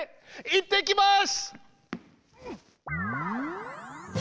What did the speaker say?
いってきます！